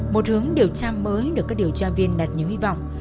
một hướng điều tra mới được các điều tra viên đặt nhiều hy vọng